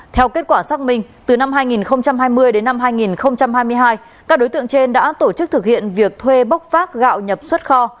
theo kết quả xác minh từ năm hai nghìn hai mươi đến năm hai nghìn hai mươi hai các đối tượng trên đã tổ chức thực hiện việc thuê bốc phát gạo nhập xuất kho